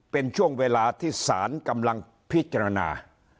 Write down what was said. เป็นช่วงเวลาที่สารกำลังพิจารณา